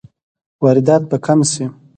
واردات به کم شي؟